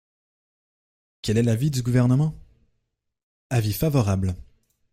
Quel est l’avis du Gouvernement ? Avis favorable.